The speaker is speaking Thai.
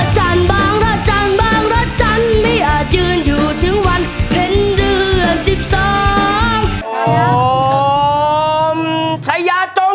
ฉายาจงหาย